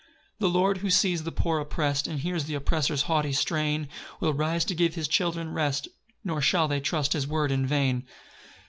5 The Lord who sees the poor opprest, And hears th' oppressor's haughty strain, Will rise to give his children rest, Nor shall they trust his word in vain.